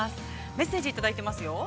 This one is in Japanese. メッセージをいただいてますよ。